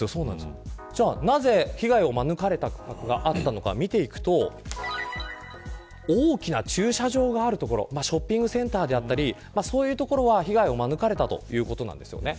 じゃあなぜ被害を免れた所があったのか見ていくと大きな駐車場がある所ショッピングセンターだったりそういう所は被害を免れたということなんですよね。